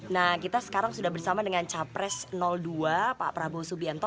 nah kita sekarang sudah bersama dengan capres dua pak prabowo subianto